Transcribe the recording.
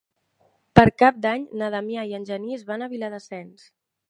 Per Cap d'Any na Damià i en Genís van a Viladasens.